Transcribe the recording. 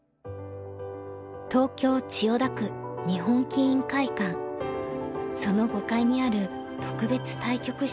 東京千代田区日本棋院会館その５階にある特別対局室